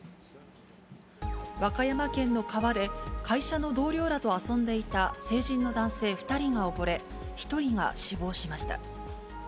和歌山県の川で、会社の同僚らと遊んでいた成人の男性２人が溺れ、１人が死亡しました。